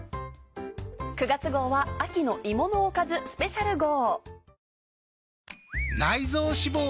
９月号は秋の芋のおかずスペシャル号。